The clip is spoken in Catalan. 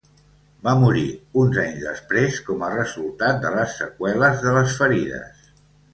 Va morir uns anys després com a resultat de les seqüeles de les ferides.